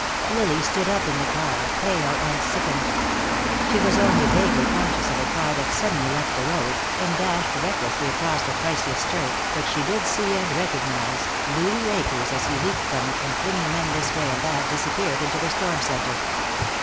Lily stood up in the car, pale and sickened. She was only vaguely conscious of a car that suddenly left the road, and dashed recklessly across the priceless turf, but she did see, and recognize, Louis Akers as he leaped from it and flinging men this way and that disappeared into the storm center.